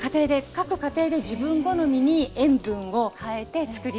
各家庭で自分好みに塩分を変えて作ります。